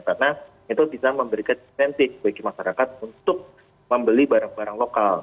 karena itu bisa memberikan konteks bagi masyarakat untuk membeli barang barang lokal